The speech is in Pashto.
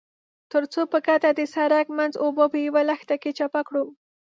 ترڅو په ګډه د سړک منځ اوبه په يوه لښتي کې چپه کړو.